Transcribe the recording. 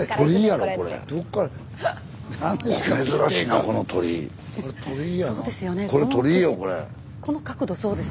これ鳥居よこれ。